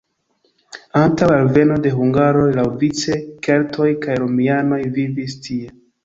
Antaŭ alveno de hungaroj laŭvice keltoj kaj romianoj vivis tie.